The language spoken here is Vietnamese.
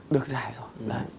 được giải dựng